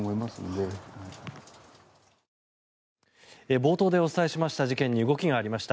冒頭でお伝えしました事件に動きがありました。